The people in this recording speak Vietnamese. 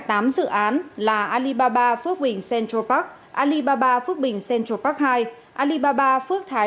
dự án là alibaba phước bình central park alibaba phước bình central park hay alibaba phước thái